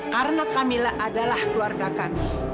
karena kamila adalah keluarga kami